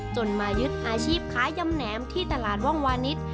จนมายึดอาชีพขายยำแหนมที่ตลาดว่องวานิส